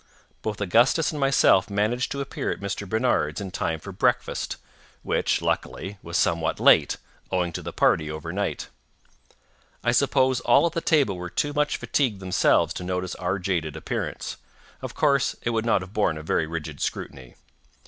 Both Augustus and myself managed to appear at Mr. Barnard's in time for breakfast—which, luckily, was somewhat late, owing to the party over night. I suppose all at the table were too much fatigued themselves to notice our jaded appearance—of course, it would not have borne a very rigid scrutiny.